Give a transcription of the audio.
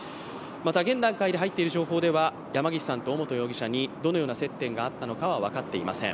また現段階で入っている情報では山岸さんと尾本容疑者にどのような接点があったのかは分かっていません